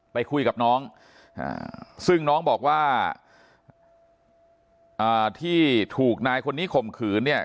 ไปคุยกับน้องซึ่งน้องบอกว่าที่ถูกนายคนนี้ข่มขืนเนี่ย